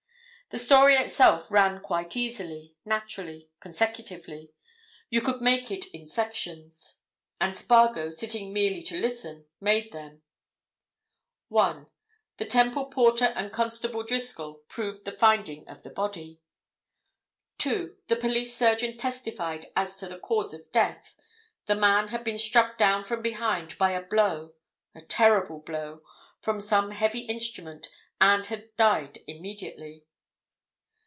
The story itself ran quite easily, naturally, consecutively—you could make it in sections. And Spargo, sitting merely to listen, made them: 1. The Temple porter and Constable Driscoll proved the finding of the body. 2. The police surgeon testified as to the cause of death—the man had been struck down from behind by a blow, a terrible blow—from some heavy instrument, and had died immediately.